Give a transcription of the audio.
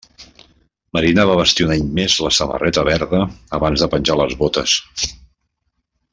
Marina va vestir un any més la samarreta verda abans de penjar les botes.